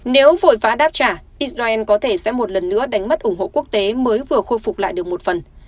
nếu vội vã đáp trả israel có thể sẽ một lần nữa đánh mất ủng hộ quốc tế mới vừa khôi phục lại được một phần